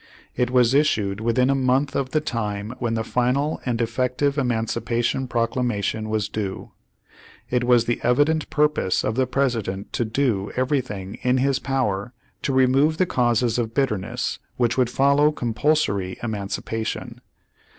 It was issued within a month of the time when the final and effective Emancipation Proclamation was due. It was the evident purpose of the President to do everything in his power to remove the causes of bitterness which would follow compulsory eman cipation.